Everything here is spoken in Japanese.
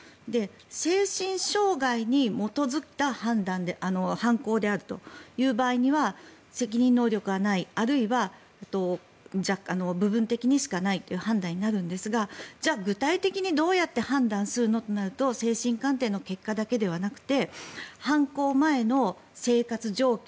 精神障害に基づいた犯行であるという場合には責任能力はないあるいは部分的にしかないという判断になるんですがじゃあ具体的にどうやって判断するのとなると精神鑑定の結果だけではなくて犯行前の生活状況